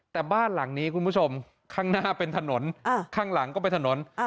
แต่บ้านหลังนี้คุณผู้ชมข้างหน้าเป็นถนนข้างหลังก็เป็นถนน